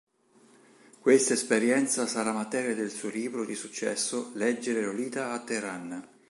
Questa esperienza sarà materia del suo libro di successo "Leggere Lolita a Teheran".